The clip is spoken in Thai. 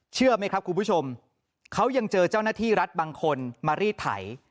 เชื่อไหมครับคุณผู้ชมเขายังเจอเจ้าหน้าที่รัฐบางคนมารีดไถ